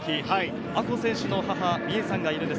阿児選手の母・みえさんがいるんです。